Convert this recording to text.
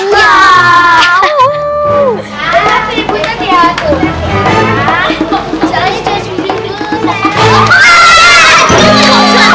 latri putri ya